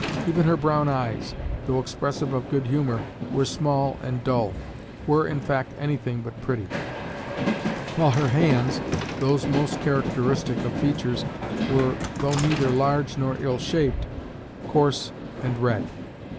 Even her brown eyes, though expressive of good humour, were small and dull were, in fact, anything but pretty; while her hands (those most characteristic of features), were though neither large nor ill shaped, coarse and red.